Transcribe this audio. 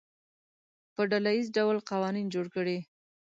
په ډله ییز ډول قوانین جوړ کړي.